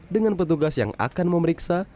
dengan petugas yang akan memeriksa